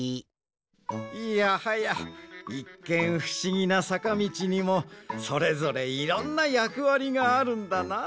いやはやいっけんふしぎなさかみちにもそれぞれいろんなやくわりがあるんだなあ。